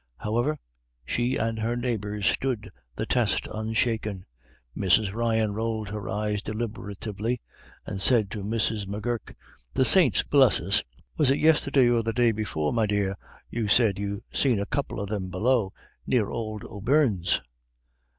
However, she and her neighbors stood the test unshaken. Mrs. Ryan rolled her eyes deliberatively, and said to Mrs. M'Gurk, "The saints bless us, was it yisterday or the day before, me dear, you said you seen a couple of them below, near ould O'Beirne's?"